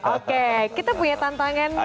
oke kita punya tantangannya